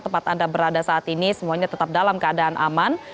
tempat anda berada saat ini semuanya tetap dalam keadaan aman